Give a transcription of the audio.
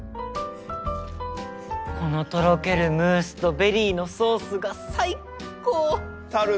このとろけるムースとベリーのソースが最高！